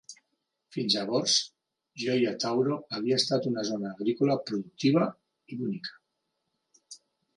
Fins llavors, Gioia Tauro havia estat una zona agrícola productiva i bonica.